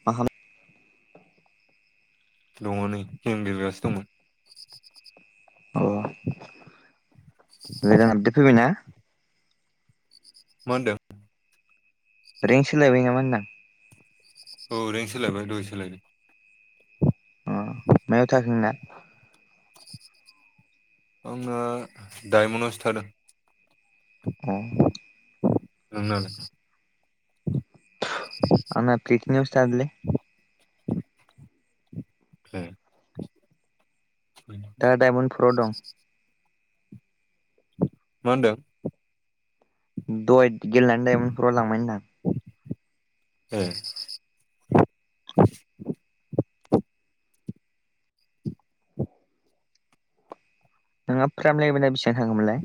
[unintelligible] दङ नै गेम गेले गासिनो दंमोन। अ गोदान आबदेत फैबायना? मा होनदों? रेनकट सोलायबाय नामा होनदां औ रेनक सोलायबाय दहाय सोलायदों। अ मायाव थाखो नोंना आंना डायमनावसो थादों। उम नों ना लाय। आंना पितिनायावसो थादोंलै। ए मा आंना दडायमन्ड फ्राव दं। मा होनदों। दहाय गेलेनानै दायमन फरावलांबाय होनदां। ए। नोंहा फ्राम लेबेला बेसिबां थांखोमोनलाय?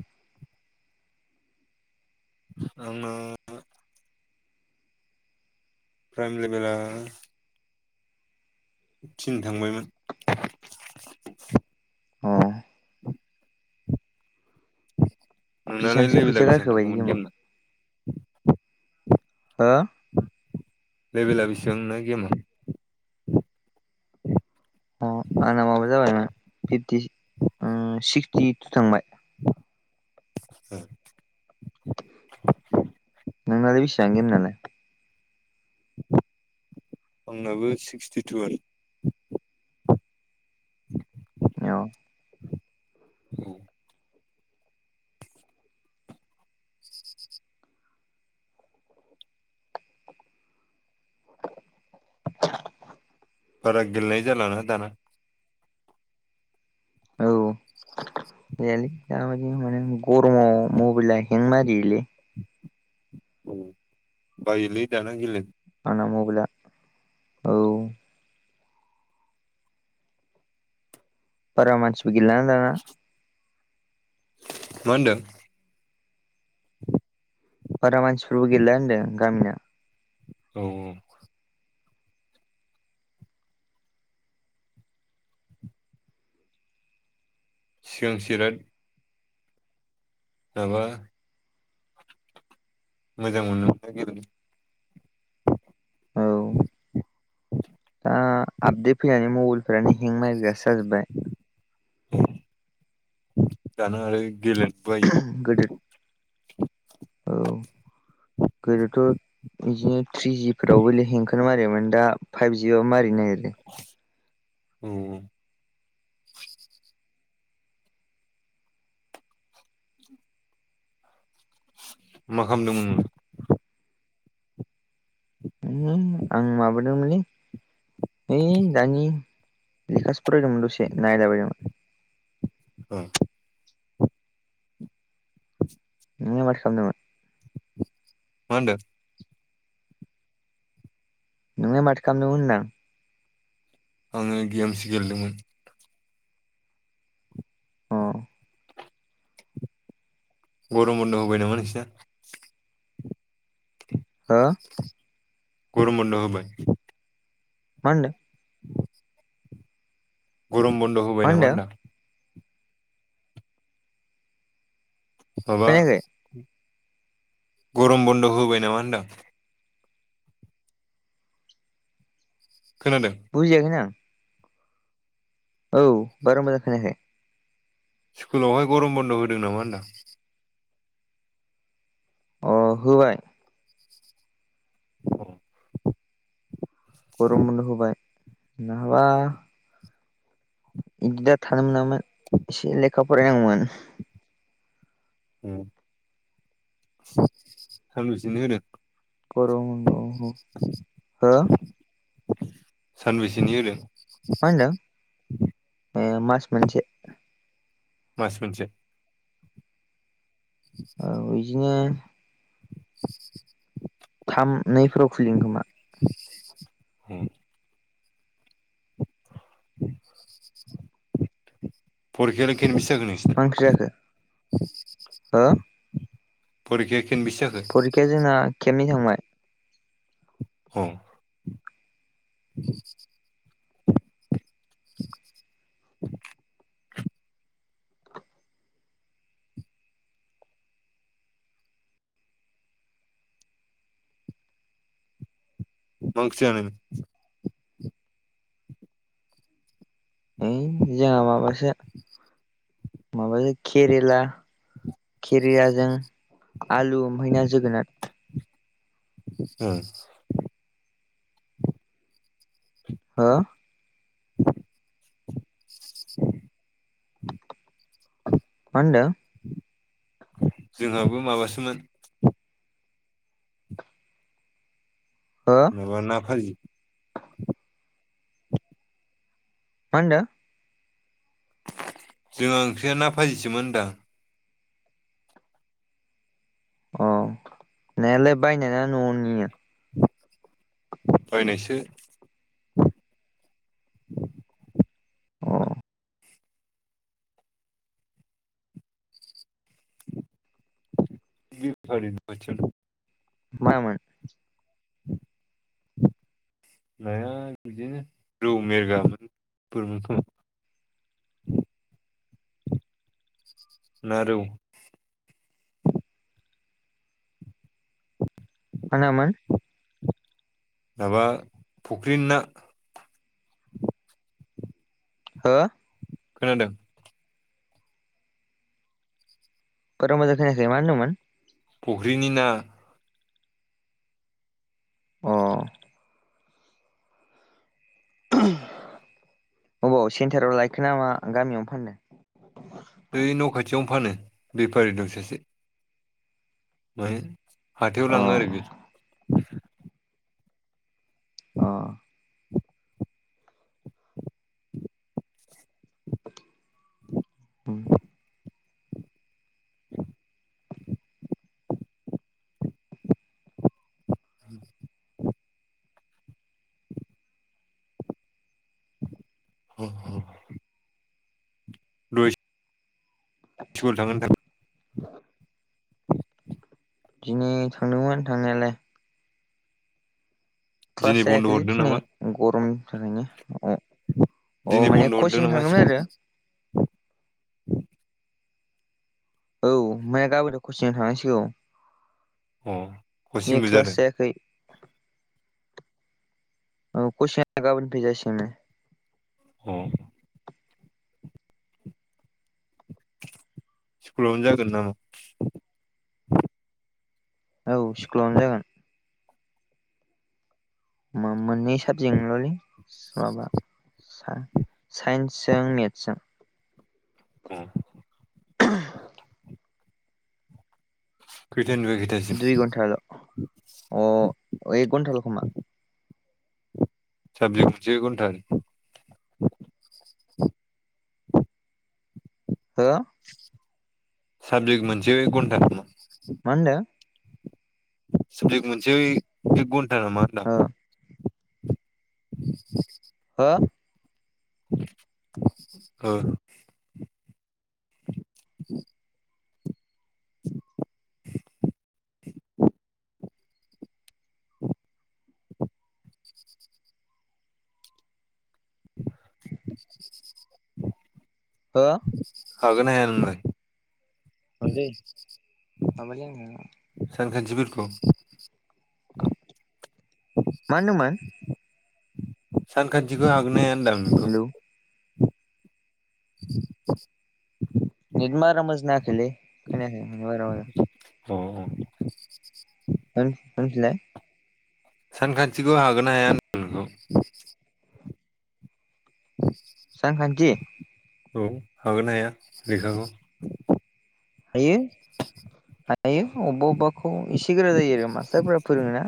आंना फ्रायम लेबेला थिन थांबायमोन। अ। नोंनालाय बेसेबांसो फैसा लेबेलाय बेसेबां गारखो बायदि थांखोमोन गेमाव गेमना? हो। लेभेला बेसेबां नोंना गेमा? अ आंना माबा जाबायमोन फिफ्टि उम सिक्सटि थु थांबाय। [inaudible] नोंनालाय बिसान गेमनालाय? [inaudible] आंनाबो सिक्सटिटु आनो अ। उ [inaudible] [inaudible] बारा गेलनाय जालाना दाना। औ [inaudible] जायालै दाबिदियाव माने गरमाव मबेलया हें मारियोलै। बायोलै दाना गेलनो आंना मबाइला औ। बारा मानसिबो गेलाना दाना। मा होनदों? बारा मानसिफोरबो गेलला होन्दों गामिना। अ। सिगांबो इराथ माबा मोजां मोनो मोन गेलनो? ओ आपदेट फैनानै मबेलानो हें मारिग्रा जाजोबाया। दानो आरो गेलेन बायो। गोदो औ [inaudible] गोदोथ बिदिनो थ्रिजि फोरावबोल हेंखो मारियामोन दा फाइभजि बाबो मारिनो नागिरो। उम उम। मा खामदोंमोन? आं माबादोंमोनलै। है दानि लेखासो फरायदोंमोन दसे नायला बायदोंमोन। ए, [inaudible] नोंलाय माथो खालामदोमोन? मा होनदो? नोंलाय माथो खामदोमोन होनदां। आङो गेम्स गेलेदोंमोन। अ। गरम बन्द' होबाय नामा नोंसोरना? हो मा गरम बन्द' होबाय। मा होनदो? [inaudible] गरम बन्द' मा होबाय नामा होनदों होनदां? माबा खोनायाखै गरम बन्द' होबाय नामा होनदां? खोनादों? बुजियाखैनो आं। औ बारा मोजां खोनायाखै। स्कुलावहाय गरम बन्द' होदों नामा होनदां? अ' होबाय। [inaudible] गरम बन्द' होबाय नाहाबा इदि दा थानो मोनामोन एसे लेखा फरायनांगौमोन। उम सानबोसेनो होदों? गरम बन्द'। सानबेसेनि होदों? मा होनदों ए मास मोनसे। मास मोनसे। औ [inaudible] बिदिनो थाम नैफोराव खुलिगोन खोमा। [inaudible] फरिखायालाय खेनबेसे जागोननो? मा ओंख्रि जाखो ओ? फरिखाया खनबिसि जाखो? फरिखाया जोंना खेबनै थांबाय। औ। [inaudible] मा ओंख्रि जानायमोन? ओइ जोंहा माबासो माबाजो केरेला। खेरियाजों आलु ओमफाय ना जोगोनार। ओ। हो? मा‌ होनदों? जोंहाबो माबासोमोन। ओ। माबा ना फाजि। मा होनदो? जोंहा ओंख्रिया ना फायिसोमोन होनदां। अ नेनायालाय बायनाय न'आवनियो। बायनायसो। अ। बि फ ब [inaudible] मा मोन [unintelligible] नाया बिदिनो रौ मेरगा मोनफोरबो खं [inaudible] ना रौ मा नामोन माबा फुख्रिनि ना हो खोनादों बारा मोजां खैायाखै मा होनदोंमोन फुख्रिनि ना अ अबाव सेन्टाराव लायखो नामा गामियावनो फानदों [inaudible] ओइ न' खाथियावनो फानो बेफारि दं सासे मानो हाथायाव अ लाङो आरो बे अ उम [unintelligible] [inaudible] उ [inaudible] र [inaudible] स्कूल थांगोना थाङा बिदिनो थांदोंमोन थांनायालाय क्लास दिनै बन्द' जायाखैलै हरदों दिनै नामा गरमनि थाखायनो अ दिनै माने बन्द' हरदों कचिं नामा थांदोंमोन स्कुल आरो औ माया गाबोनो कचिंआव थांनांसिगौ अ दिनै कचिंबो क्लास जादों जायाखै औ कचिंआ गाबोननिफ्राय जासिगोननो अ स्कुलावनो जागोन नामा औ स्कुलावनो जागोन मोननै साबजेक्ट निल'लै माबा हा साइन्सजों मेथ्सजों औ [inaudible] खैथानिफ्राय खैथासिम दुइ घन्टाल' अ एक घन्टाल' खोमा [inaudible] हो साबजेक्ट मोनसेआ एकघनटा नामा मा होन्दों। साबजेक मोनसेआ एक घण्टा नामा हो होनदों? [unintelligible] हो औ [unintelligible] [unintelligible] [unintelligible] हो हागोन ना हाया नोंलाय? आ दे माबल [unintelligible] सानखान्थिफोरखौ माहोनदोंमोन? सानखान्थिखौ हागोन ना हाया होनदों आं नोंखौ? हेलौ [inaudible] नेट बारा मोजां नाङाखिलै खोनायाखै नोंनि बाथ्राफोरखौ। उम उम। होन होनफिनलाय। सानखान्थिखौ हागोना हाया नो औ औ [unintelligible] सानखान्थि? औ हागोना हाया लेखाखौ? हायो हायो अबा अबाखौ इसे गोरा जायो आरो मास्टारफोरा फोरोंङा।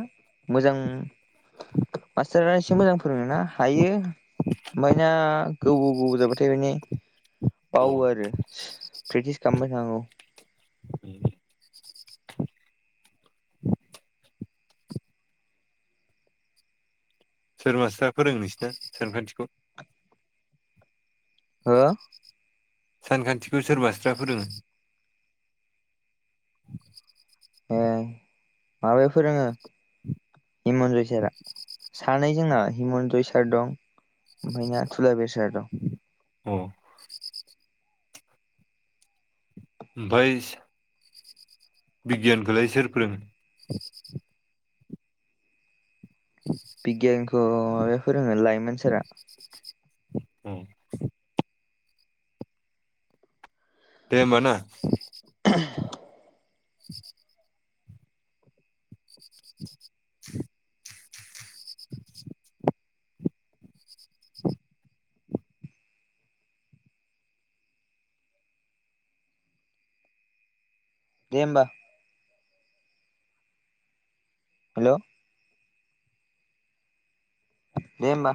मोजां मास्टारा एसे मोजां फोरोङोना हायो। ओमफायना गोबाव गोबाव जाबाथाय माने अ बावो आरो प्रेक्टिस खालामबाय थानांगौ। सोर मास्टारा फोरोङो नोंसिना सानखान्थिखौ? हो? सानखान्थिखौ सोर माषटारा फोरोङो? औ [inaudible] ओ माबाया फोरोङो हिमन्जय सारा। सानै जोंना हिमन्जय सार दं ओमफ्राय ना थुलाबिर सार दं। उम। ओमफ्राय स बिगियानखौलाय सोर फोरोङो? बिगियानखौ माबाया फोरोङो लाइमोन सारा। उम। दे होमबा ना? ह [inaudible] [inaudible] [inaudible] [inaudible] दे होमबा। हेल'? दे होमबा।